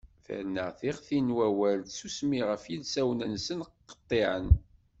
Terna tiɣtin n wawal d tsusmi ɣef yilsawen-nsen qeṭṭiɛen.